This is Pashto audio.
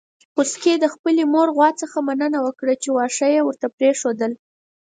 خوسکي د خپلې مور غوا څخه مننه وکړه چې واښه يې ورته پرېښودل.